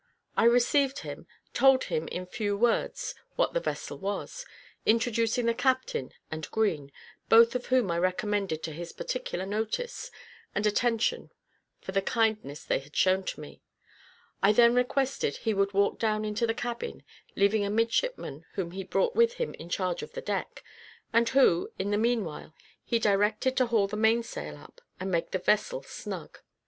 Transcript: I received him, told him in few words what the vessel was, introducing the captain and Green, both of whom I recommended to his particular notice and attention for the kindness they had shown to me, I then requested he would walk down into the cabin, leaving a midshipman whom he brought with him in charge of the deck, and who, in the meanwhile, he directed to haul the mainsail up, and make the vessel snug.